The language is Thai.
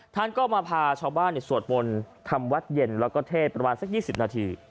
ท่านก็มาพาชาวบ้านสวดมนต์ทำวัดเย็นแล้วก็เทศประมาณสัก๒๐นาที